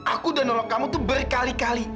aku udah nolong kamu tuh berkali kali